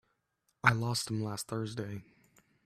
I lost them last Thursday.